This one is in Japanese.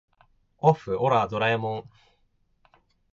おっふオラドラえもん